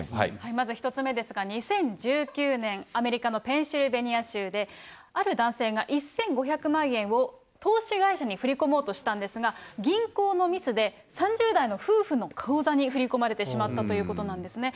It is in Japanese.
まず１つ目ですが、２０１９年、アメリカのペンシルベニア州で、ある男性が１５００万円を投資会社に振り込もうとしたんですが、銀行のミスで、３０代の夫婦の口座に振り込まれてしまったということなんですね。